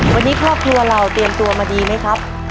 วันนี้ครอบครัวเราเตรียมตัวมาดีไหมครับ